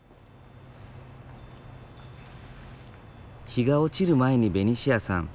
日が落ちる前にベニシアさん